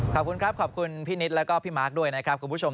ขอบคุณครับขอบคุณพี่นิดแล้วก็พี่มาร์คด้วยนะครับคุณผู้ชม